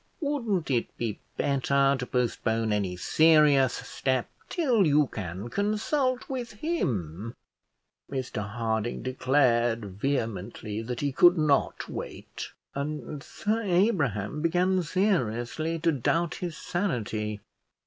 Wouldn't it be better to postpone any serious step till you can consult with him?" Mr Harding declared vehemently that he could not wait, and Sir Abraham began seriously to doubt his sanity.